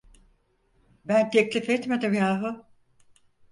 Ben teklif etmedim yahu!